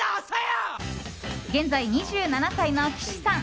現在２７歳の岸さん。